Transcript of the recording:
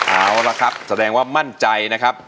เอาละครับแสดงว่ามั่นใจนะครับ